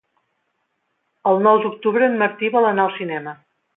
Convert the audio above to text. El nou d'octubre en Martí vol anar al cinema.